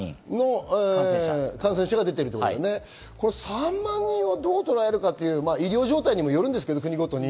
３万人をどうとらえるか、医療状態にもよるんですけれども、国ごとに。